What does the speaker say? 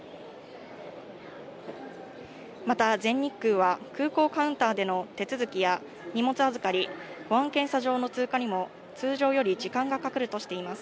また、全日空は空港カウンターでの手続きや荷物預かり、保安検査場の通過にも通常より時間がかかるとしています。